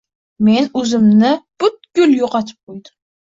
Men o`zimni butkul yo`qotib qo`ydim